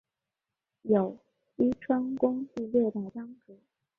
有栖川宫第六代当主。